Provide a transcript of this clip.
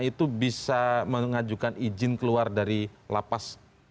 itu bisa mengajukan izin keluar dari lapas